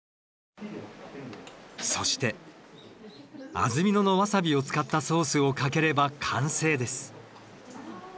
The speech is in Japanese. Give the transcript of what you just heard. そして安曇野のワサビを使ったソースをかければ完成です。